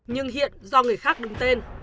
nhưng hiện do người khác đứng tên